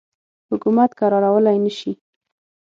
حکومت کرارولای نه شي.